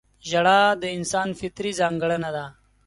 • ژړا د انسان فطري ځانګړنه ده.